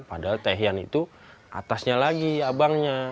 padahal tehian itu atasnya lagi abangnya